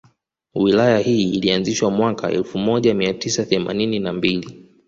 Wilaya hii ilianzishwa mwaka elfu moja mia tisa themanini na mbili